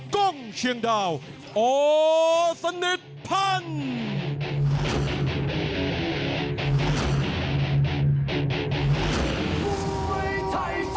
กรรมเชียงดาวอสนิทพันธ์